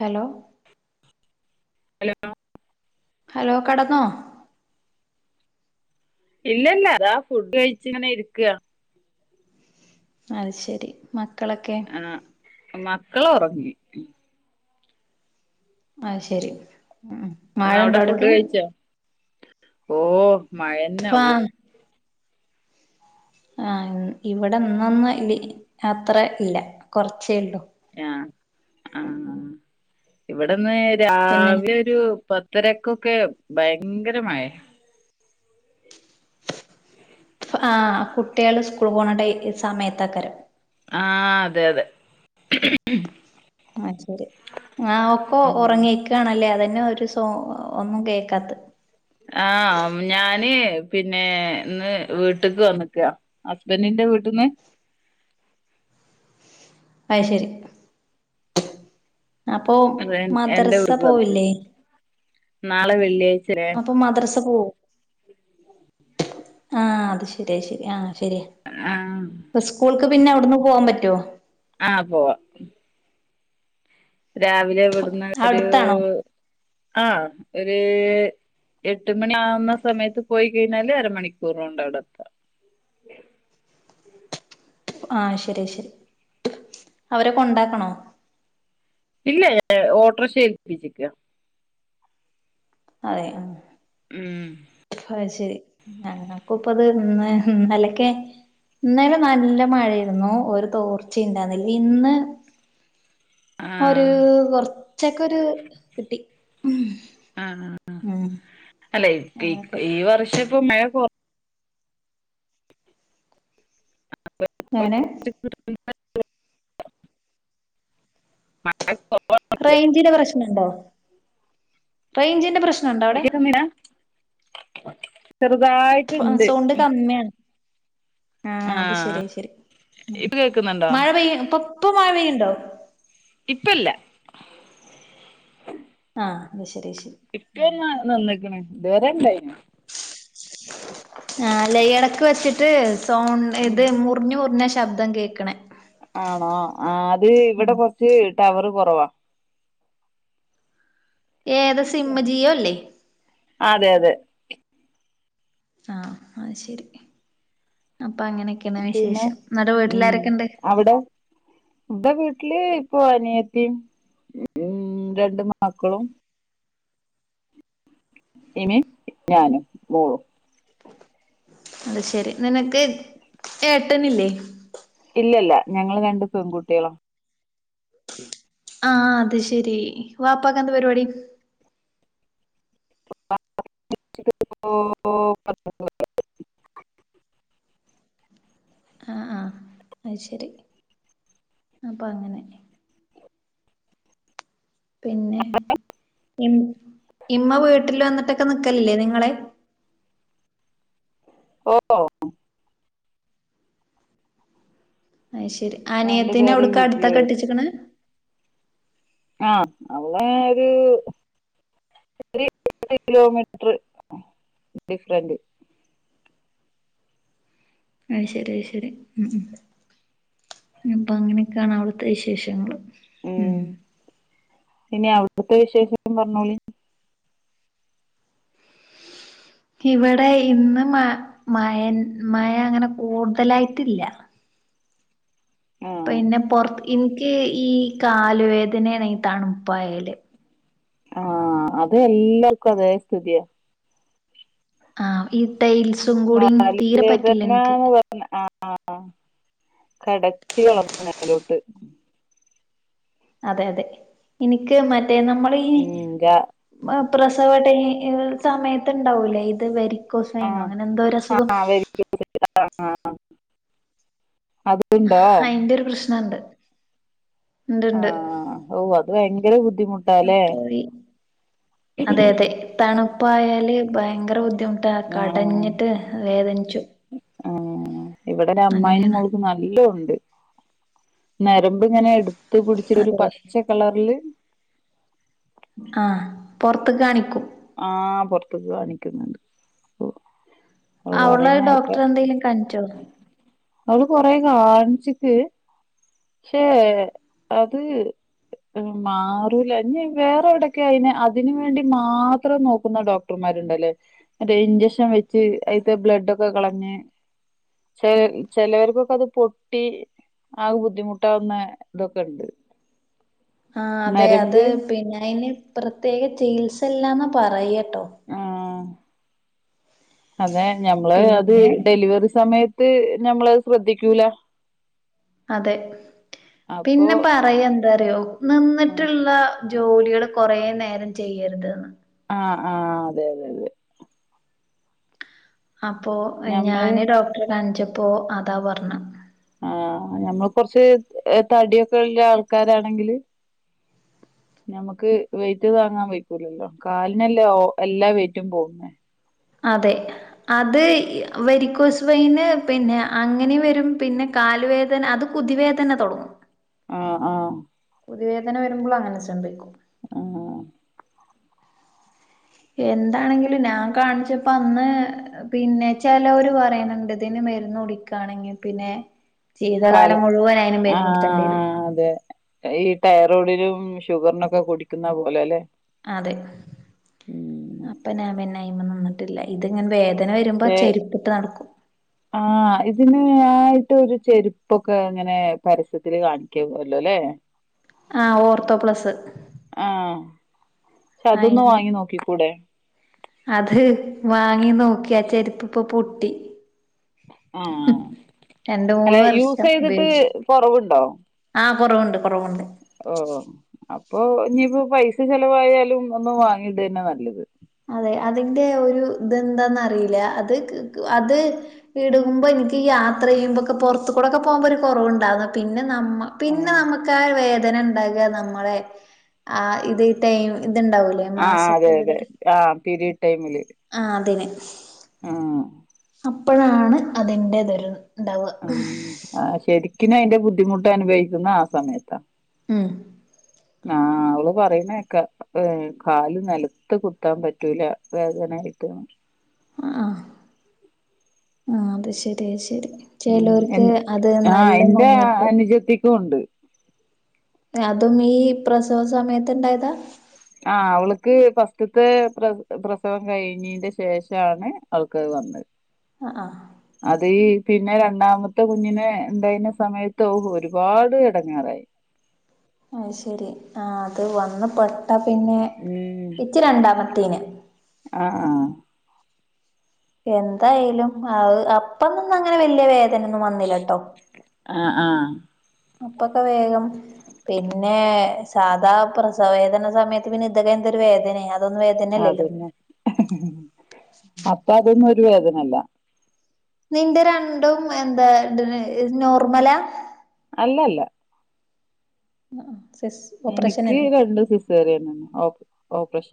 Hello hello hello കടന്നോ? ഇല്ലല്ല ഇതാ ഫുഡ് കഴിച്ച ഇങ്ങനെ ഇരിക്ക അത് ശരി മക്കളൊക്കെ? ആഹ് മക്കളൊറങ്ങി അത് ശരി ഉം മഴണ്ടോ അവിടെ ഫുഡ് അവിടക്ക് കഴിച്ചോ? ഓ മഴന്നെ ഇപ്പാ ഉള്ളു ആഹ് ഇവിടെ ഇന്നൊന്നും ഇ അത്ര ഇല്ല കുറച്ചേള്ളൂ ആഹ് ആഹ് ഇവിടെന്ന് പിന്നെ രാവിലെ ഒരു പത്തരക്കൊക്കെ ഭയങ്കര മയ ആഹ് കുട്ടികൾ സ്കൂൾ പോകണ ടൈ സമയതെക്കാരം ആഹ് അതെ അതെ ആഹ് ശരി ആ ഒക്കെ ഉം ഒറങ്ങിക്കാണല്ലേ അതന്നെ ഒരു സോ ഒന്നും കേക്കാത്ത ആഹ്ഞാന് പിന്നെ ഇന്ന് വീട്ട്ക്ക് വന്ന്ക്കാ ഹസ്ബൻറിന്റെ വീട്ട്ന്ന് അത് ശരി അപ്പൊ എന്റെ മദ്രസ വീട്ടിക്ക് വന്നാക്കാ പോവില്ലേ നാളെ വെള്ളി അപ്പം മദ്രസ പോവും ആഹ് അത് ശരിയ അത്ശരി ആഹ് ശരിയാ ആഹ് സ്കൂൾക്ക് പിന്നെ അവിടുന്ന് പോവാൻ പറ്റോ ആഹ് പോവാ രാവിലെ ഇവടുന്ന് ഒരു അടുത്താണോ ആഹ് ഒരു എട്ട് മണി ആവുന്ന സമയത്ത് പോയി കഴിഞ്ഞാല് അരമണിക്കൂറോണ്ട് അവിടെത്താ ആഹ ശരി ശരി അവരെ കൊ ണ്ടാക്കണോ? ഇല്ല ഓട്ടർഷ ഏൽപ്പിച്ചക്ക അതെ ഉം അത് ശരി ഞങ്ങക്കും ഇപ്പഅത് ഇന്ന് ഇന്നലക്കെ ഇന്നലെ നല്ല മഴേരുന്നു ഒരു തോർച്ചി ഇണ്ടായിരിന്നില്ല ഇന്ന് ഒരു ആഹ് കൊറച്ചക്കൊരു കിട്ടി ഉം ഉം അല്ലെ ഈ അങ്ങനൊക്കെ ഈ വർഷം ഇപ്പൊ മഴ കുറ ആ [unintelligible] എങ്ങനെ? [unintelligible] മഴ റേഞ്ചിന് പ്രശ്നണ്ടോ റേഞ്ചിന്റെ പ്രശ്നണ്ടോ അവിടെ? ചെറുതായി ആഹ് സൗണ്ട് കമ്മിയാണ് ആഹ് അത് ശരിയ അത്ശരി ഇപ്പൊ കേക്കുന്നുണ്ടോ മഴ പെയ്യ് ഇപ്പം മഴ പെയ്യുണ്ടോ? ഇപ്പല്ല ആഹ് അത് ശരി അത്ശരി ഇപ്പാന്ന നിന്ന്ക്ക്ണ്ഇതവരെ ഇണ്ടേ നി ആഹ് ഇടക്ക് വെച്ചിട്ട് ഉം സൗണ്ട്ഇത് മുറഞ്ഞു മുറിഞ്ഞ ശബ്ദം കേൾക്കണേ ആണോ ആഹ് അത് ഇവടെ കുറച്ച് ടവർ കുറവാ ഏതാ സിമ്മ് ജിയോ അല്ലേ അതെ അതെ ആഹ് ശെരി അപ്പൊ അങ്ങനെയൊക്കെണ് വിശേഷം. എന്നിട്ട് വീട്ടിലാരൊക്കെ ഇണ്ട് അവടെ ഇന്റെ വീട്ടില് ഇപ്പൊ അനിയതിം ഉം രണ്ട് മക്കളും ഇന് ഞാനും മോളു അത് ശെരി നിനക്ക് ചേട്ടനില്ലേ ഇല്ലല്ല ഞങ്ങള് രണ്ട് പെൺകുട്ടികള ആഹ അത് ശെരി വാപ്പക്ക് എന്താ പരിപാടി [unintelligible] അയ്ശരി അപ്പം അങ്ങനെ പിന്നെ ഇം ഇമ്മ വീട്ടിൽ വന്നിട്ടക്കെ നിക്കലില്ലേ നിങ്ങളെ ഓഹ് അയ്ശരി. രണ്ടു അനിയത്തിനെ പേരെ അവട്ക്കടുത്താ വീട്ടില് കെട്ടിച്ചിക്കണെ ആഹ് അവളെ ഒരു [unintelligible] കിലോമീറ്റർ ഡിഫറന്റ് അയ്ശരി അയ്ശരി ഉം ഉം അപ്പൊ അങ്ങനെക്കൊണ് അവിടുത്തെ വിശേഷങ്ങൾ ഉം ഇനി അവിടുത്തെ വിശേഷം പറഞ്ഞോളി ഇവിടെ ഇന്ന് മ മയ മഴ അങ്ങനെ കൂടുതലായിട്ടില്ല ആഹ് പിന്നെ പുറത്ത് ഇൻക്ക് ഈ കാലുവേദനനെണേ ഈ തണുപ്പായല് ആഹ് അത് എല്ലർക്കും അതേ സ്ഥിതിയ ആഹ് ഈ ടൈൽസും കൂടീം തീരെ പറ്റില്ല ഇൻക്ക് ആഹ് ആഹ് ആഹ് കടച്ചിൽ കേറും മേലോട്ട് അതെ അതെ ഇന്ക്ക് മറ്റേ നമ്മള ഈ ഉം രാ ബ പ്രസവ ടൈ എ സമയത്ത്ണ്ടാവൂലേ ഇത് വെരി ക്കോസ് വെയ്‌നൊ ആഹ് അങ്ങനെ എന്തോ ഒരു അസുഖം [unintelligible] ആഹാ അയിന്റെ ഒരു പ്രശ്നുണ്ട് ണ്ട്ണ്ട് ആഹ് ഓ അത് ഭയങ്കര ബുദ്ധിമുട്ടാല്ലേ പോയി അതെ അതെ തണുപ്പായല് ഭയങ്കര ബുദ്ധിമുട്ടാ ആഹ് കടഞ്ഞിട്ട് വേദനിച്ചും ആഹ് ഇവിടെ ഒരു അമ്മായിന്റെ അങ്ങനെയാണ് മോള്ക്കും നല്ല ഉണ്ട് നരമ്പ് ഇങ്ങനെ എടുത്ത് പുടിച്ചു ഒരു അതെ പച്ച കളറില് ആഹ് പുറത്ത് ക്ക് കാണിക്കും ആഹ് പുറത്ത്ക്ക് കാണിക്കുന്നുണ്ട് ഓ അവള് അവളെ പറയുന്ന കേക്കാം ഡോക്ടറെ എന്തെങ്കിലും കണിച്ചോ അവള് കൊറെ കാണിച്ചിക്ക് ക്ഷേ അത് മാറൂല ഞ്ഞി വേറെ എവിടെക്ക അയിന് അതിന് വേണ്ടി മാത്രം നോക്കുന്ന ഡോക് ഡോക്ടർമാരുണ്ടല്ലേ മറ്റേ ഇഞ്ചക്ഷൻ വെച്ച് അയിത്തെ ബ്ലഡൊക്കെ കളഞ്ഞ് ചെ ചെലോർകൊക്കെ അത് പൊട്ടി ആകെ ബുദ്ധിമുട്ടാവുന്ന തൊക്കെ ണ്ട് ആഹ് അതെ അത് പിന്നെ അയിന് പ്രത്യേക ചികിത്സല്ലാന്ന പറയട്ടോ ആ അതെ ഞമ്മള് അത് പിന്നെ ഡെലിവറി സമയത്ത് ഞമ്മള്ത് ശ്രദ്ധിക്കൂല അതെ അപ്പൊ പിന്നെ പറയന്തറിയോ നിന്നിട്ട്ള്ള ജോലികള് കൊറേ നേരം ചെയ്യരുത് ന്ന് ആഹ് ആഹ് അതെ അതെ അതെ അപ്പോ ഞമ്മള് ഞാന് ഡോക്ടറെ കണിച്ചപ്പോ അതാ പറഞ്ഞ ആഹ് ഞമ്മള് കുറച്ച് തടിയൊക്കെ ള്ള ആൾക്കാരാണെങ്കില് ഞമ്മക്ക് വെയിറ്റ് താങ്ങാൻ വെയ്ക്കൂലല്ലോ കാലിനല്ലേ എല്ലാ വെയിറ്റും പോകുന്നേ അതെ അത് വെരിക്കോസ് വെയിന് പിന്നെ അങ്ങനേം വരും പിന്നെ കാലുവേദന അത് പൊതുവേ തന്നെ തുടങ്ങും ആഹ് വേദന വരുമ്പോൾ അങ്ങനെ സംഭവിക്കും ആഹ്. എന്താണെങ്കിലും ഞാൻ കാണിച്ചപ്പോ അന്ന് പിന്നെ ചേലോര് പറയണണ്ട് ഇതിന് മരുന്ന് കുടിക്കയാണെങ്കിൽ പിന്നെ കാല ജീവിതകാലം മുഴുവൻ അതിനു ആ മരുന്നു കുടിക്കേണ്ടി വരും. അതെ ഈ തൈറോയ്ഡിലും ഷുഗറിനൊക്കെ കുടിക്കുന്ന പോലെ അല്ലെ. ഉം അതെംഅപ്പൊ ഞാൻ പിന്നെ അയിന് നിന്നിട്ടില്ലേ. ഇതിങ്ങനെ വേദന വരുമ്പോ പക്ഷെ ചെരുപ്പിട്ട് നടക്കും. ആഹ് ഇതിന് ആയിട്ട് ഒരു ചെരുപ്പൊക്കെ ഇങ്ങനെ പരസ്യത്തില് കാണിക്കൂല്ലോല്ലേ? ആഹ് ഓർത്തോ പ്ലസ്. ആഹ് പക്ഷെ അതൊന്നു അയിന് വാങ്ങി നോക്കിക്കൂടെ? അത് വാങ്ങി നോക്കിയാ ആ ചെരിപ്പ് ഇപ്പൊ പൊട്ടി ആഹ് രണ്ട് അല്ല മൂന്ന് യൂസ് വർഷം ചെയ്തിട്ട് ഉപയോഗിച്ചു. കൊറവുണ്ടോ ആഹ് കുറവുണ്ട് കുറവുണ്ട്. ഓ അപ്പൊ ഇനിയിപ്പോ പൈസ ചെലവായാലും ഒന്നു വാങ്ങിയിടുവ തന്നെ നല്ലത്. അതെ അതിന്റെ ഒരു ഇതെന്താന്നറിയില്ല അത് അത് ഇടുമ്പോ എനിക്ക് യാത്ര ചെയ്യുമ്പൊക്കെ പുറത്തു കൂടൊക്കെ പോകുമ്പോ ഒരു കുറവുണ്ടാവുന്ന പിന്നെ നമ്മ പിന്നെ ആഹ് നമുക്ക് ആഹ് വേദന ഉണ്ടാകുക നമ്മളെ ആഹ് ഇത് ടൈം ഇത്ണ്ടാവൂലേ ആഹ് അതെ അതെ മാസക്കൂലിടെ ആഹ് പീരിഡ് ടൈമില്. ആഹ് അതന്നെ ഉം അപ്പോഴാണ് അതെന്റേതൊരു ഇതുണ്ടാവുക ഉം ആഹ് ശെരിക്കിനും അതിന്റെ ബുദ്ധിമുട്ട് അനുഭവിക്കുന്ന ആഹ് സമയത്താ. മം. ആഹ് അവള് പറയുന്ന കേക്കാം ഉം കാല് നിലത്ത് കുത്താൻ പറ്റൂല വേദനയായിട്ട്. ആഹ് ആഹ് അത് ശെരിയാ ശെരി. ഉം ചിലവർക്ക് അത് നല്ല വന്നിട്ട് യെത്തിക്കുവുണ്ട്. അതും ഈ പ്രസവ സമയത്ത് ഇണ്ടായതാ? ആഹ് അവൾക്ക് ഫസ്റ്റത്തെ പ്ര പ്രസവം കഴിഞ്ഞേന്റെ ശേഷമാണ് അവൾക്ക് അത് വന്നത്. ആഹ് ആഹ്. അത് പിന്നെ രണ്ടാമത്തെ കുഞ്ഞിനെ ഉണ്ടായിരുന്ന സമയത്ത് ഓ ഒരുപാട് ഇടങ്ങേറായി. അത്ശെരി ആഹ് അത് വന്ന് പെട്ടാ പിന്നെ ഉം ഇച് രണ്ടാമത്തേന്. ആഹ് ആഹ്. എന്തായാലും അപ്പൊന്നും അങ്ങനെ വലിയ വേദന ഒന്നും വന്നില്ലാട്ടോ. ആഹ് ആഹ്. അപ്പൊക്കെ വേഗം പിന്നെ സാധാ പ്രസവവേദന സമയത്ത് പിന്നെ ഇതൊക്കെ എന്തൊരു വേദനയാ അതന്നെ അപ്പൊ ഇതൊന്നും ഒരു വേദനല്ല. നിന്റെ രണ്ടും എന്താ നോർമലാ അല്ല അല്ല. ആഹ് ആഹ് സിസ് എനിക്ക് ഓപ്പറേഷനന്നെ രണ്ടും സിസേറിയൻ തന്നാണ് ഓ ഓപ്രേഷ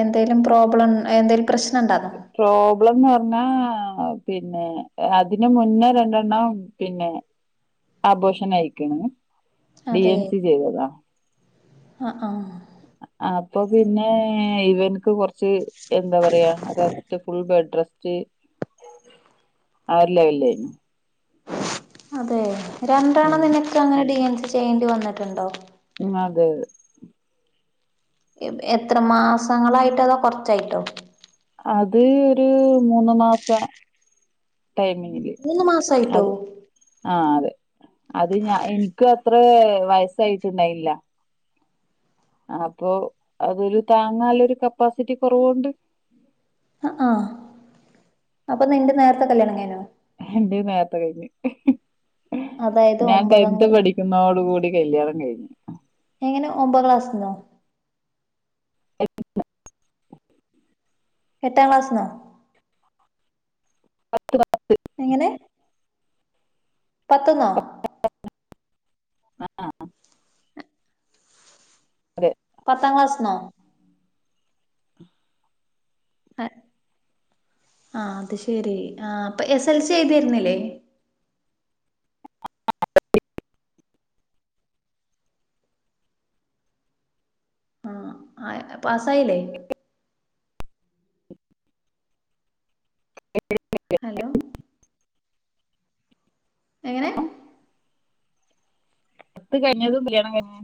എന്തേലും പ്രോബ്ലം എന്തേലും പ്രശ്നംണ്ടാ? പ്രോബ്ലംന്ന് പർഞ്ഞാ പിന്നെ അതിന് മുന്നേ രണ്ടെണ്ണം പിന്നെ ആബോഷനായ്ക്ക്ണ്. ഡി എൻ സി ചെയ്തതാ അഹ് ആഹ്. അപ്പൊ പിന്നെ ഇവൻക്ക് കൊർച്ച് എന്താ പറയാ റെസ്റ്റ് ഫുൾ ബെഡ് റെസ്റ്റ് ആഒരു ലൈനിലേന്നു അതേ.. രണ്ടെണ്ണം ഉം നിനക്ക് അങ്ങനെ ഡി എൻസി ചെയ്യേണ്ടി വന്നിട്ട്ണ്ടോ? ഉം അതെ. എ എത്ര മാസങ്ങളായിട്ടോ അതോ കൊർച്ചായിട്ടോ? അത് ഒരു മൂന്ന് മാസ ടൈമില്. മൂന്ന് മാസായിട്ടോ? ആഹ്‌ അതെ അത് ഞ എനിക്ക് അത്രേ വയസ്സായിട്ടുണ്ടായില്ല. അപ്പൊ അതൊരു താങ്ങാല്ലൊരു കപ്പാസിറ്റി കൊറവോണ്ട്. അഹ്‌ ആഹ്‌ അപ്പൊ നിന്റെ നേർത്തെ കല്ല്യാണം കഴിഞ്ഞോ? എന്റെത് നേർത്തെ കഴിഞ്ഞ്, അതായത് ഞാൻ ഒമ്പതാം ടെൻത്ത് ക്ലാ പഠി ക്കുന്നോടു കൂടി കല്യാണം കഴിഞ് എങ്ങനെ ഒമ്പാക്ലാസ്ന്നോ? എട്ട്ന്ന്. [unintelligible] എട്ടാം ക്ലാസ്നോ? എങ്ങനെ? പത്ത് ന്നൊ. അതെ. ത്താം ക്ലാസ്സ്‌ന്നോ? അഹ് ആഹ് അത് ശരി ആഹ്‌ അപ്പ എസ് എൽ സി എഴുതിയിര്ന്നിലേ? പാസ്സായിലേ? [unintelligible] ഹലോ. എങ്ങനെ? ത്ത് കയ്ഞ്ഞതും കല്യാണം കയ്ഞ്ഞ്